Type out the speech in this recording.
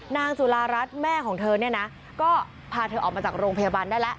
นางจุฬารัฐแม่ของเธอเนี่ยนะก็พาเธอออกมาจากโรงพยาบาลได้แล้ว